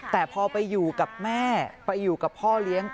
แต่พอไปอยู่กับแม่ไปอยู่กับพ่อเลี้ยง